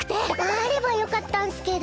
あればよかったんスけど。